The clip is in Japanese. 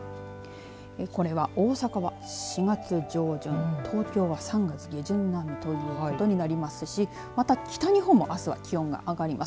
これは、大阪は４月上旬東京は３月下旬並みということになりますしまた、北日本もあすは気温が上がります。